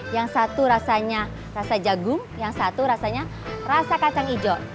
yang satu rasanya rasa jagung yang satu rasanya rasa kacang hijau